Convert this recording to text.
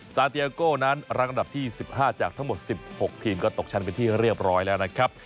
ซาเตียโก้นั้นรังอันดับที่๑๕จากทั้งหมด๑๖ทีมก็ตกชั้นเป็นที่เรียบร้อยแล้วนะครับ